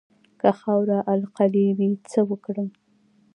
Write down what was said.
که خاوره القلي وي څه وکړم؟